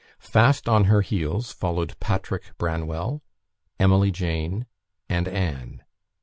Fast on her heels followed Patrick Branwell, Emily Jane, and Anne.